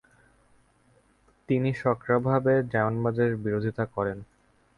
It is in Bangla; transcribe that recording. তিনি সক্রিয়ভাবে জায়নবাদের বিরোধিতা করেন।